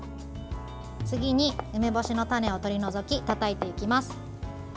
次に梅干しの種を取り除きたたいていきます。